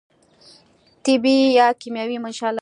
طبي یا کیمیاوي منشأ لري.